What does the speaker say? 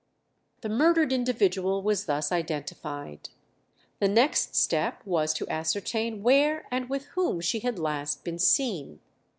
The murdered individual was thus identified. The next step was to ascertain where and with whom she had last been seen.